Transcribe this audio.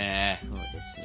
そうですね。